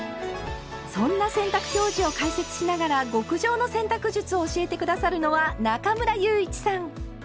そんな洗濯表示を解説しながら極上の洗濯術を教えて下さるのは中村祐一さん。